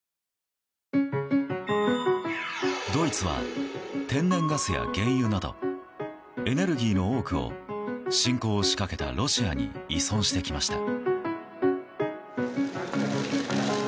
ドイツは天然ガスや原油などエネルギーの多くを侵攻を仕掛けたロシアに依存してきました。